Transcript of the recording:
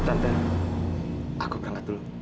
tante aku berangkat dulu